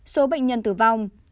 số bệnh nhân tử vong